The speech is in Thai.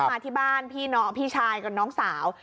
มาที่บ้านพี่น้องพี่ชายกับน้องสาว